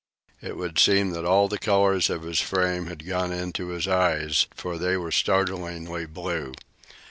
It would seem that all the color of his frame had gone into his eyes, for they were startlingly blue.